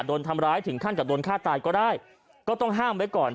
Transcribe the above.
โดนทำร้ายถึงขั้นกับโดนฆ่าตายก็ได้ก็ต้องห้ามไว้ก่อน